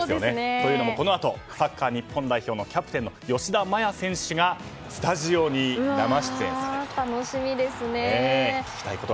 というのも、このあとサッカー日本代表キャプテンの吉田麻也選手がスタジオに生出演されると。